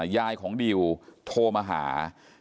ยายของดิวโทรมาหา